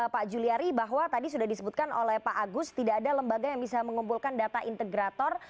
pak juliari bahwa tadi sudah disebutkan oleh pak agus tidak ada lembaga yang bisa mengumpulkan data integrator